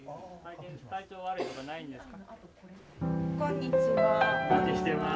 体調悪いことないんですか。